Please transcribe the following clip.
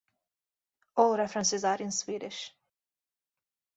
"All references are in Swedish"